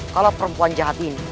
kalau perempuan jahat ini